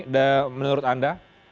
dan menurut anda